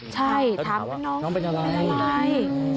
ใช่ถามว่าน้องเป็นอะไรใช่